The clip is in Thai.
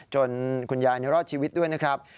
คุณยายรอดชีวิตด้วยนะครับ